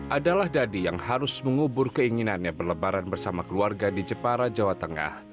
adalah dadi yang harus mengubur keinginannya berlebaran bersama keluarga di jepara jawa tengah